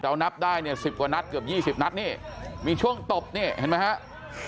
เรานับได้เนี่ยสิบกว่านัดเกือบยี่สิบนัดเนี่ยมีช่วงตบเนี่ยเห็นมั้ยครับ